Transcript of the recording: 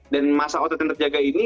dan masa otot yang terjaga ini